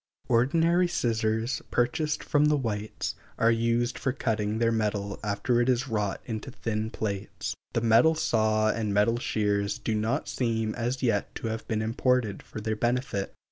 Ordinary scissors, purchased from the whites, are used for cutting: their metal after it is wrought into thin plates. The metal saw and metal shears do not seem as yet to have been imported for their benefit.